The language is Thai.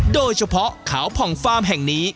โดยเฉพาะเขาผ่องฟาร์มแห่งนี้